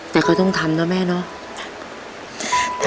แต่เขาต้องทำนะแม่เนาะ